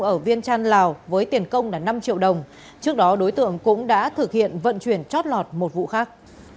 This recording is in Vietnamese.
ở viên trăn lào với tiền công là năm triệu đồng trước đó đối tượng cũng đã thực hiện vận chuyển chót lọt một vụ khác